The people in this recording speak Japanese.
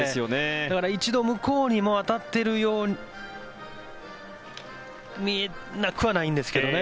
だから、一度向こうにも当たっているようにも見えなくはないんですけどね。